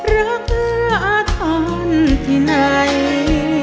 รักเธออาทรณ์ที่ไหน